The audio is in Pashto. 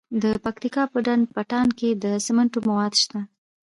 د پکتیا په ډنډ پټان کې د سمنټو مواد شته.